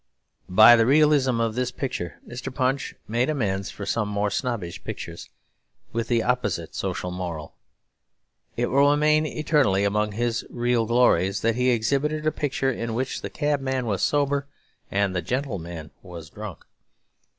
By the realism of this picture Mr. Punch made amends for some more snobbish pictures, with the opposite social moral. It will remain eternally among his real glories that he exhibited a picture in which the cabman was sober and the gentleman was drunk.